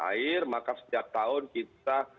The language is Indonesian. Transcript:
air maka setiap tahun kita